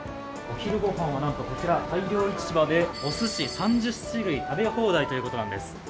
お昼御飯はなんとこちら、大漁市場でおすし３０種類食べ放題ということなんです。